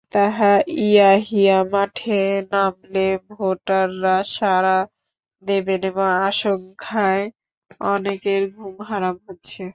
তাহা ইয়াহিয়া মাঠে নামলে ভোটাররা সাড়া দেবেন—এ আশঙ্কায় অনেকের ঘুম হারাম হচ্ছে।